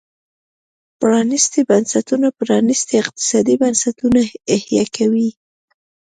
پرانيستي بنسټونه پرانيستي اقتصادي بنسټونه حیه کوي.